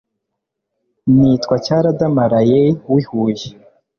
nitwa cyaradamaraye. w'ihuye